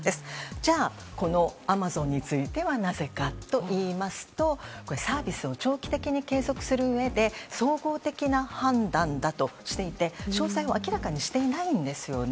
じゃあこのアマゾンについてはなぜかといいますとサービスを長期的に継続するうえで総合的な判断だとしていて詳細を明らかにしていないんですよね。